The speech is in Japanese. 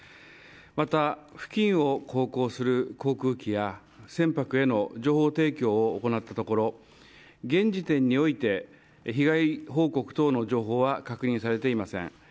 また、付近を航行する航空機や船舶への情報提供を行ったところ現時点において被害報告等の情報は確認されていません。